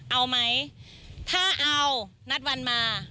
เอาไหมถ้าเอานัดวันมา